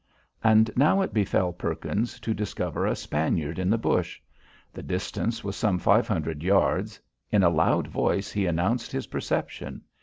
And now it befell Perkins to discover a Spaniard in the bush. The distance was some five hundred yards. In a loud voice he announced his perception.